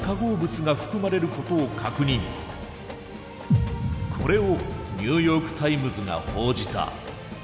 これを「ニューヨーク・タイムズ」が報じた。